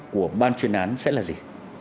của ban chuyên án sẽ là gì